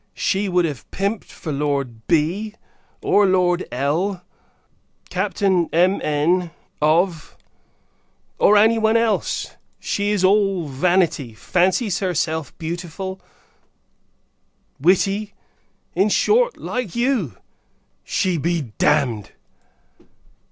She would have pimped for Lord B , or Lord L , or Captain M'N ,of , or any one else. She is all vanity: fancies herself beautiful; witty; in short, like you. She be damned!